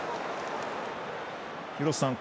廣瀬さん